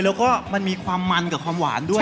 แล้วก็มันมีความมันกับความหวานด้วย